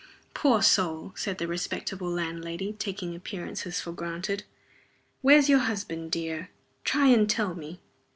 "Poor soul!" said the respectable landlady, taking appearances for granted. "Where's your husband, dear? Try and tell me."